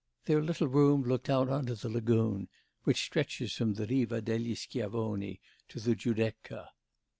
Their little room looked out on to the lagoon, which stretches from the Riva del Schiavoni to the Giudecca.